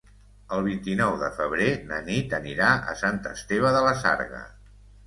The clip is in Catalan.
El vint-i-nou de febrer na Nit anirà a Sant Esteve de la Sarga.